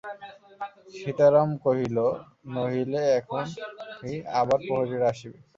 সীতারাম কহিল, নহিলে এখনই আবার প্রহরীরা আসিবে।